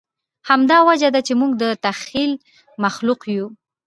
همدا وجه ده، چې موږ د تخیل مخلوق یو.